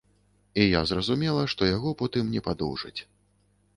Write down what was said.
І я зразумела, што яго потым не падоўжаць.